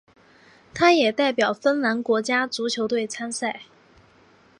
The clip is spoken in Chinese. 他也代表芬兰国家足球队参赛。